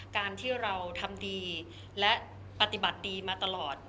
การที่เราทำดีและปฏิบัติดีมาตลอด